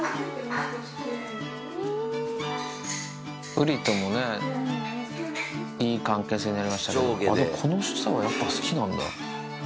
ウリともね、いい関係性になりましたけど、この下はやっぱり好きなんだ。